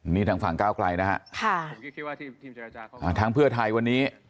นี่ทางฝั่งก้าวไกลนะฮะทางเพื่อไทยวันนี้